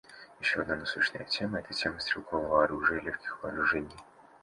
Еще одна насущная тема — это тема стрелкового оружия и легких вооружений.